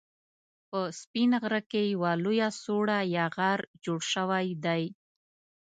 په سپين غره کې يوه لويه سوړه يا غار جوړ شوی دی